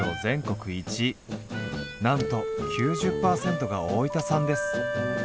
なんと９０％が大分産です。